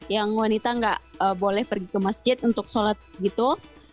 yang wanita nggak boleh pergi ke masjid untuk sholat gitu